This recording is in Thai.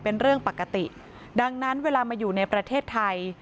เป็นเรื่องปกติดังนั้นเวลามาอยู่ในประเทศไทย